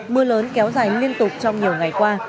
mưa lớn kéo dài liên tục trong nhiều ngày qua